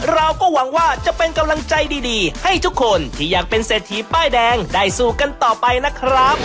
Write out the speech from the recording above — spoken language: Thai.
เราก็หวังว่าจะเป็นกำลังใจดีให้ทุกคนที่อยากเป็นเศรษฐีป้ายแดงได้สู้กันต่อไปนะครับ